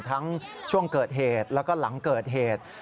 ทั้งช่วงเกิดเหตุแล้วก็หลังเกิดเหตุ